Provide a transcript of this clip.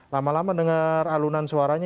lama lama dengar alunan suaranya